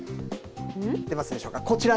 出ますでしょうか、こちら。